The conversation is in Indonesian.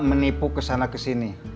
dia menipu kesana kesini